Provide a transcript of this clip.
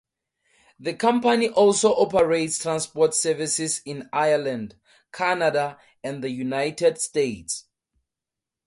The company also operates transport services in Ireland, Canada and the United States.